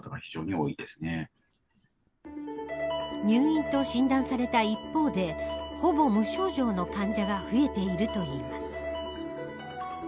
入院と診断された一方でほぼ無症状の患者が増えているといいます。